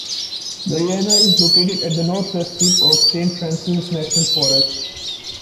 Marianna is located at the north-west tip of Saint Francis National Forest.